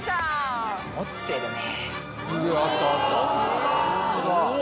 持ってるね。